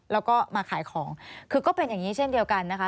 แล้วก็มาขายของคือก็เป็นอย่างนี้เช่นเดียวกันนะคะ